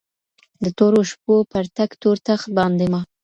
د تورو شپو پر تك تور تخت باندي مــــــا